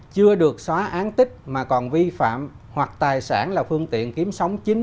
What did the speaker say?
chưa được xóa án tích mà còn vi phạm hoặc tài sản là phương tiện kiếm sống chính